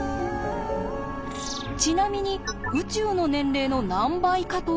ちなみに宇宙の年齢の何倍かというと。